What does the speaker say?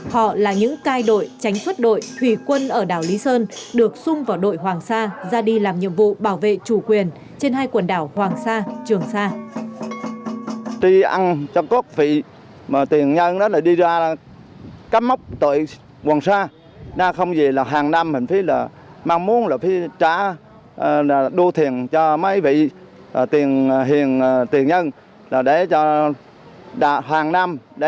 họ là những cai đội tránh xuất đội thủy quân ở đảo lý sơn được sung vào đội hoàng sa ra đi làm nhiệm vụ bảo vệ chủ quyền trên hai quần đảo hoàng sa trường sa